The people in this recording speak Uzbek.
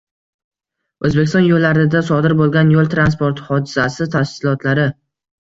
O‘zbekiston yo‘llarida sodir bo‘lgan yo´l transport hodisasi tafsilotlari